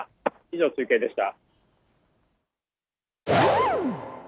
以上、中継でした。